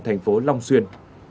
thành phố long xuyên